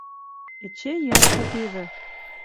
Эче йӓл попевӹ